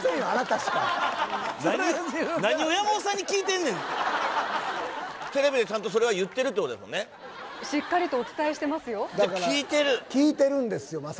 あなたしか何を山本さんに聞いてんねんしっかりとお伝えしてますよ聞いてる聞いてるんですよ